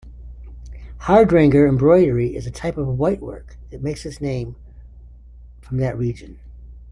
Hardanger embroidery is a type of whitework that takes its name from that region.